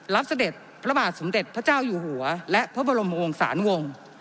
เสด็จพระบาทสมเด็จพระเจ้าอยู่หัวและพระบรมวงศาลวงศ์